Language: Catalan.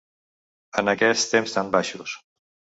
En aquests temps tan baixos.